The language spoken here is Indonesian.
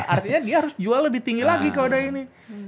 artinya dia harus jual lebih tinggi lagi kalau dari ini